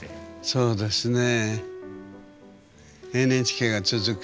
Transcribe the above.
そうですね。